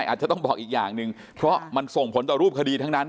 อาจจะต้องบอกอีกอย่างหนึ่งเพราะมันส่งผลต่อรูปคดีทั้งนั้น